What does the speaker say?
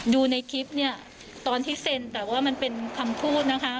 ดูในคลิปเนี่ยตอนที่เซ็นแต่ว่ามันเป็นคำพูดนะคะ